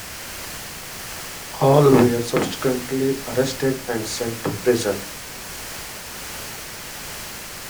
All were subsequently arrested and sent to prison.